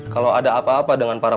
kalau ada apa apa dari para pedagang